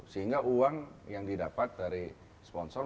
sehingga uang yang didapat dari sponsor